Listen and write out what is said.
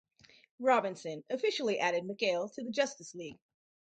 Robinson officially added Mikaal to the Justice League.